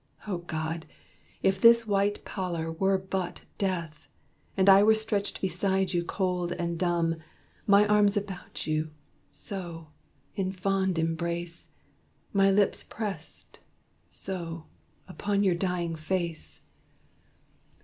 O God! if this white pallor were but death, And I were stretched beside you, cold and dumb, My arms about you, so in fond embrace! My lips pressed, so upon your dying face!"